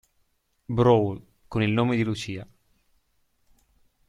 Brawl" con il nome di Lucia.